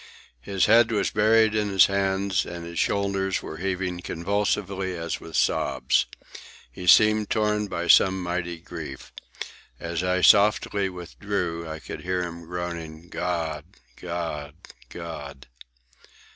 His head was buried in his hands, and his shoulders were heaving convulsively as with sobs. He seemed torn by some mighty grief. As I softly withdrew I could hear him groaning, "God! God! God!"